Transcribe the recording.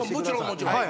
もちろん。